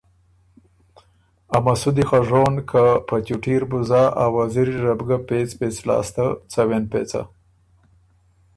امسُودی خه ژون، که په چُوټي ر بُو زا، ا وزیري ره بو ګۀ پېڅ پېڅ لاسته څوېن پېڅه،